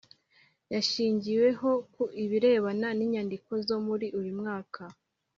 yashingiweho ku birebana n’inyandiko zo muri uyu mwaka